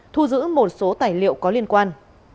thu giữ một số tài liệu có liên quan